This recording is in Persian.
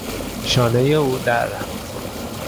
شانهی او در رفت.